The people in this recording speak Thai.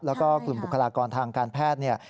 แล้วก็กลุ่มบุคลากรทางการแพทย์เนี่ย